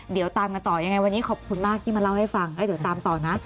เดี๋ยวตามกันต่อยังไงวันนี้ขอบคุณมากที่มาเล่าให้ฟังแล้วเดี๋ยวตามต่อนะ